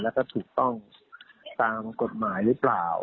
แล้วก็ถูกต้องตามกฎหมายหรือเปล่า